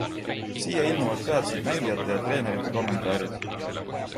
Siia ilmuvad peatselt mängijate ja treenerite kommentaarid.